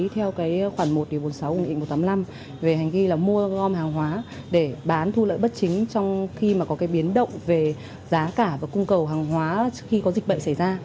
theo cái khoản một bốn mươi sáu một trăm tám mươi năm về hành vi là mua gom hàng hóa để bán thu lợi bất chính trong khi mà có cái biến động về giá cả và cung cầu hàng hóa khi có dịch bệnh xảy ra